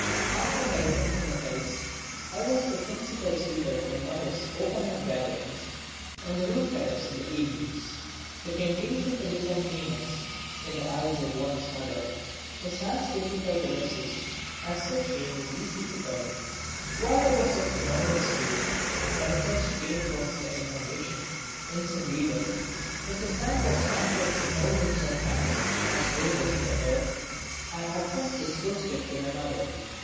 After my return from the hills I was the principal speaker at my mother's open air gatherings on the roof terrace in the evenings. The temptation to become famous in the eyes of one's mother is as difficult to resist as such fame is easy to earn. While I was at the Normal School, when I first came across the information in some reader that the Sun was hundreds and thousands of times as big as the Earth, I at once disclosed it to my mother.